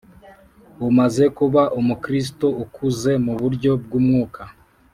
umaze kuba Umukristo ukuze mu buryo bw’umwuka